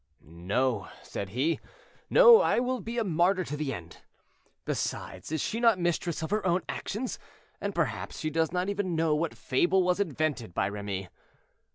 "No," said he, "no, I will be a martyr to the end. Besides, is she not mistress of her own actions? And, perhaps, she does not even know what fable was invented by Remy.